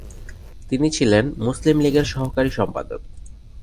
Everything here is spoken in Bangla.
তিনি ছিলেন মুসলিম লীগের সহকারী সম্পাদক।